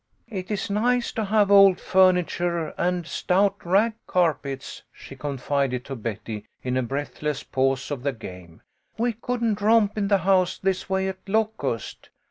" It is nice to have old furniture and stout rag carpets," she confided to Betty, in a breathless pause of the game. " We couldn't romp in the house this way at Locust.